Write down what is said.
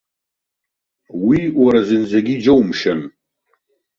Уи уара зынӡагьы иџьоумшьан.